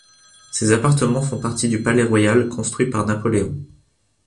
Ces appartements font partie du Palais royal construit par Napoléon.